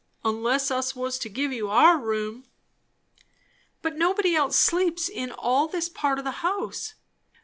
"Unless us was to give you our room." "But nobody else sleeps in all this part of the house!"